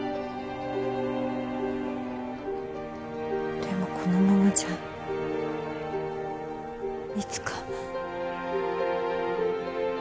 でもこのままじゃいつか。